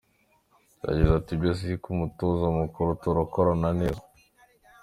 Yagize ati “Ibyo sibyo kuko umutoza mukuru turakorana neza.